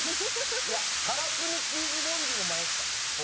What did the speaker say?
からすみチーズフォンデュも迷ってたのよ。